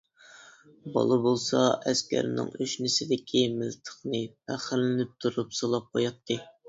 بالا بولسا ئەسكەرنىڭ ئۆشنىسىدىكى مىلتىقنى پەخىرلىنىپ تۇرۇپ سىلاپ قوياتتى.